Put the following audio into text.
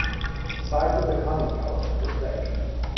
The sides of the conning tower were thick.